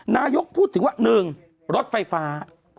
นายกพูดถึงว่า๑รถไฟฟ้า